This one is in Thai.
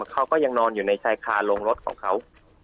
เขาก็ยังนอนอยู่ในชายคาโรงรถของเขา